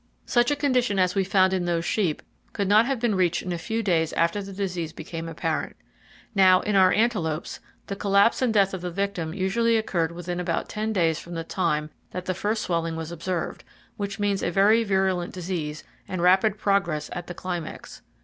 Such a condition as we found in those sheep could not have been reached in a few days after the disease became [Page 85] apparent. Now, in our antelopes, the collapse and death of the victim usually occurred in about 10 days from the time that the first swelling was observed: which means a very virulent disease, and rapid progress at the climax.